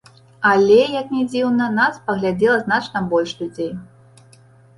Але, як ні дзіўна, нас паглядзела значна больш людзей.